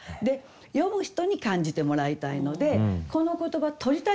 読む人に感じてもらいたいのでこの言葉取りたいんですね